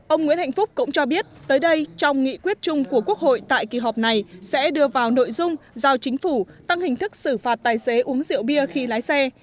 ông nguyễn hạnh phúc cũng cho biết tới đây trong nghị quyết chung của quốc hội tại kỳ họp này sẽ đưa vào nội dung giao chính phủ tăng hình thức xử phạt tài xế uống rượu bia khi lái xe